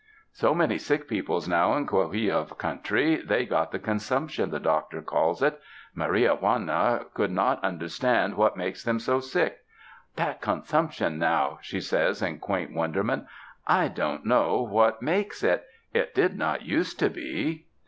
So many sick peoples now in Coahuilla country; they got the consumption, the doctor calls it. Maria Juana could not understand what makes them so sick. ''That consumption now," she says in quaint won derment, "I don't know what makes it — it did not use to be."